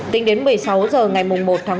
tính đến một mươi sáu giờ ngày một tháng một mươi một